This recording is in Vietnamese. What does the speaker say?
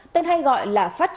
tên hay gọi là phát trăng